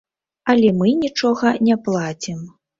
Але мы нічога не плацім.